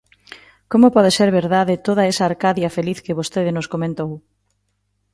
¿Como pode ser verdade toda esa Arcadia feliz que vostede nos comentou?